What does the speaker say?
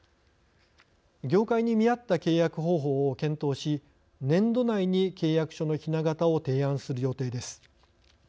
業界に見合った契約方法を検討し年度内に、契約書のひな型を提案する予定です。